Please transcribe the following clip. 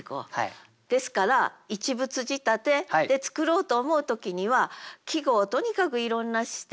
ですから一物仕立てで作ろうと思う時には季語をとにかくいろんな視点